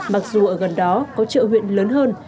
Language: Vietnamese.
mặc dù ở gần đó có chợ huyện lớn hơn